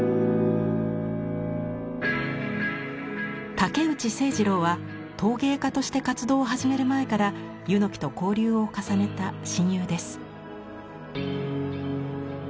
武内晴二郎は陶芸家として活動を始める前から柚木と交流を重ねた親友です。